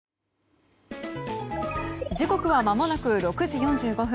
時刻は間もなく６時４５分。